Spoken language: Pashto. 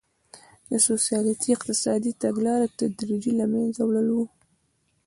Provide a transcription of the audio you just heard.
د سوسیالیستي اقتصادي تګلارو تدریجي له منځه وړل وو.